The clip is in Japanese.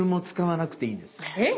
えっ？